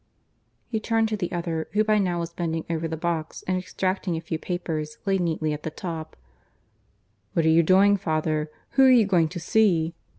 He turned to the other, who by now was bending over the box and extracting a few papers laid neatly at the top. "What are you doing, father? Who are you going to see?"